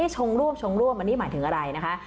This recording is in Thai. ชงร่วมชงร่วมอันนี้หมายถึงอะไรนะคะ